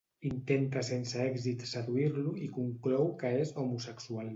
Intenta sense èxit seduir-lo i conclou que és homosexual.